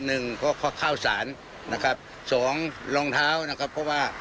หนึ่งก็ข้าวสารนะครับสองรองเท้านะครับเพราะว่า